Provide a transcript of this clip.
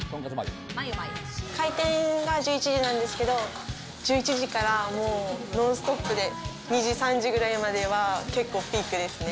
開店が１１時なんですけど、１１時から、もうノンストップで２時、３時くらいまでは結構ピークですね。